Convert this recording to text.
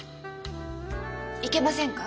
いけませんか？